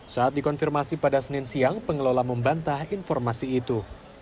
saat dikonfirmasi pada senin siang pengelola membantah informasi itu